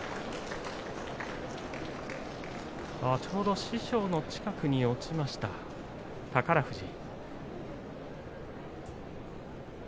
ちょうど師匠のそばに落ちました宝富士。